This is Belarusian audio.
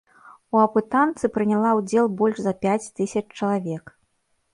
У апытанцы прыняла ўдзел больш за пяць тысяч чалавек.